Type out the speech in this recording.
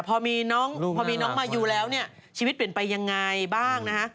พอมีน้องมายูแล้วชีวิตเปลี่ยนไปยังไงบ้างนะฮะ